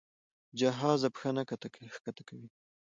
جهازه پښه نه ښکته کوي.